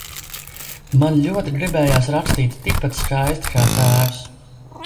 Man ļoti gribējās rakstīt tikpat skaisti, kā tēvs.